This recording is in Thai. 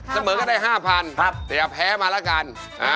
สมมติก็ได้๕พันดาลไนต์แล้วนะครับแต่อย่าแพ้มาแล้วกัน